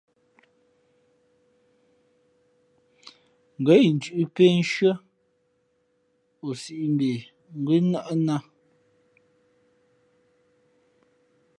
Ngα̌ incʉ̄ʼ pē nshʉ́ά ,o sīʼ mbe ngʉ́ nάʼ nā.